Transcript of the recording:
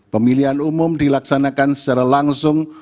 pemilihan umum dilaksanakan secara langsung